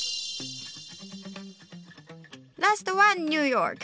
ラストはニューヨーク。